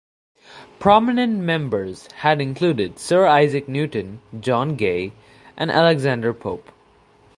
Prominent members had included Sir Isaac Newton, John Gay and Alexander Pope.